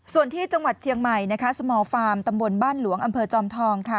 ส่วนที่จังหวัดเจียงใหม่สมฟาร์มตำบลบ้านหลวงอจอมทองค่ะ